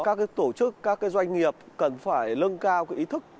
các tổ chức các doanh nghiệp cần phải lưng cao ý thức